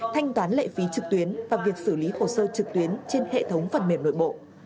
thanh toán lệ phí trực tuyến và việc xử lý hồ sơ trực tuyến trên hệ thống phần mềm nội bộ